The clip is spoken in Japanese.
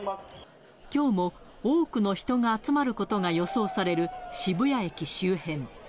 きょうも多くの人が集まることが予想される渋谷駅周辺。